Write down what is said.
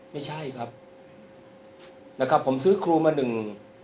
ไม่ใช่ครับนะครับผมซื้อครูมาหนึ่ง